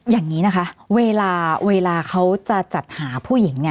อย่างนี้นะคะเวลาเขาจะจัดหาผู้หญิง